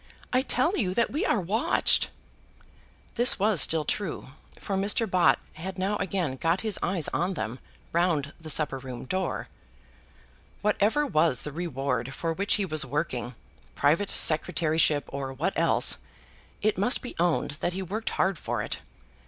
I tell you that we are watched." This was still true, for Mr. Bott had now again got his eyes on them, round the supper room door. Whatever was the reward for which he was working, private secretaryship or what else, it must be owned that he worked hard for it.